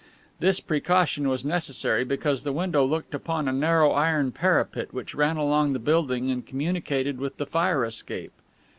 This precaution was necessary, because the window looked upon a narrow iron parapet which ran along the building and communicated with the fire escape.